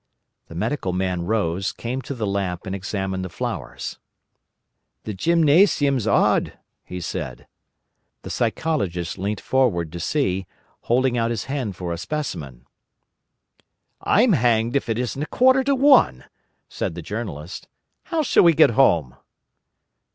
The Medical Man rose, came to the lamp, and examined the flowers. "The gynæceum's odd," he said. The Psychologist leant forward to see, holding out his hand for a specimen. "I'm hanged if it isn't a quarter to one," said the Journalist. "How shall we get home?"